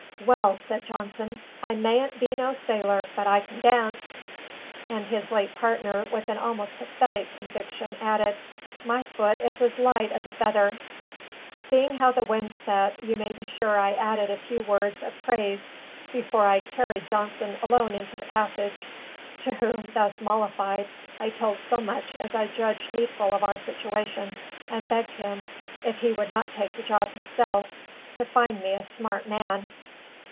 "Well," said Johnson. "I mayn't be no sailor, but I can dance!" And his late partner, with an almost pathetic conviction, added, "My foot is as light as a feather." Seeing how the wind set, you may be sure I added a few words of praise before I carried Johnson alone into the passage: to whom, thus mollified, I told so much as I judged needful of our situation, and begged him, if he would not take the job himself, to find me a smart man.